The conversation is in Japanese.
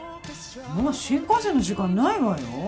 もう新幹線の時間ないわよ。